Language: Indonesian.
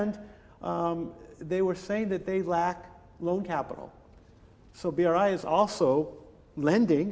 dan mereka mengatakan bahwa mereka tidak memiliki capital uang